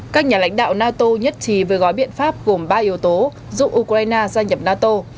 các nhà lãnh đạo nato nhất trí với gói biện pháp gồm ba yếu tố giúp ukraine gia nhập nato